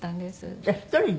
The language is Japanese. じゃあ１人で？